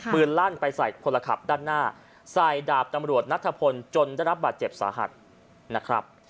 ลั่นไปใส่คนละขับด้านหน้าใส่ดาบตำรวจนัทพลจนได้รับบาดเจ็บสาหัสนะครับ